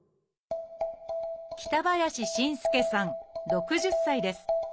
北林新介さん６０歳です。